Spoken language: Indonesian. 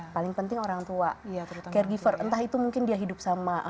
paling penting orang tua caregiver entah itu mungkin dia hidup sama